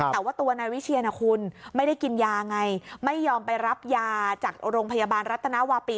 แต่ว่าตัวนายวิเชียนนะคุณไม่ได้กินยาไงไม่ยอมไปรับยาจากโรงพยาบาลรัฐนาวาปี